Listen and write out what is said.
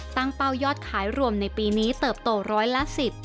เป้ายอดขายรวมในปีนี้เติบโตร้อยละ๑๐